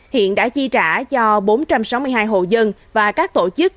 hiện đã chi trả cho bốn trăm sáu mươi hai hộ dân và các tổ chức